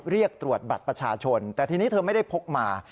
เรียกตรวจบัตรประชาชนแต่ทีนี้เธอไม่ได้พกมา